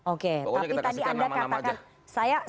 oke tapi tadi anda katakan